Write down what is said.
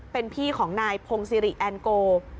เป็นพี่ของนายพงศิริแอนโก